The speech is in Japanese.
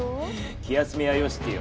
気休めはよしてよ！